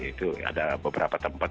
itu ada beberapa tempat